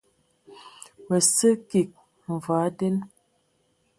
Mə sə kig mvɔi nden.